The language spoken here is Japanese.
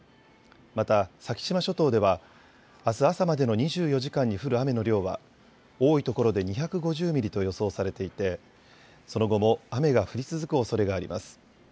また先島諸島ではあす朝までの２４時間に降る雨の量は多い所で２５０ミリと予想されていてその後も雨が降り続くおそれがあります。